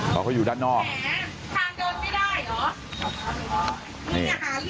เขาอยู่ด้านนอก